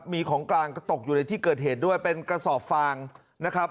มีของกลางก็ตกอยู่ในที่เกิดเหตุด้วยเป็นกระสอบฟางนะครับ